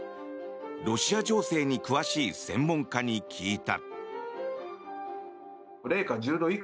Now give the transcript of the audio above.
ロシア情勢に詳しい専門家に聞いた。